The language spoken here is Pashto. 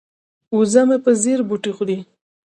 وزه مې په ځیر بوټي خوري.